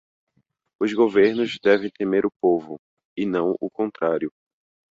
Os governos devem temer o povo, e não o contrário